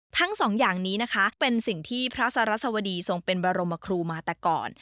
ทั้งสองอย่างนี้นะคะเป็นสิ่งที่พระสรัสวดีทรงเป็นบรมครูมาแต่ก่อน